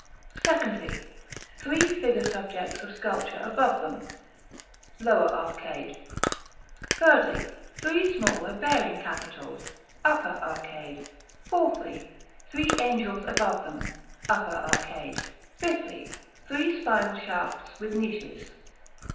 Secondly, Three figure subjects of sculpture above them (lower arcade). Thirdly, Three smaller bearing capitals (upper arcade). Fourthly, Three angels above them (upper arcade). Fifthly, Three spiral shafts with niches.